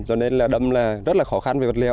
cho nên là đâm là rất là khó khăn về vật liệu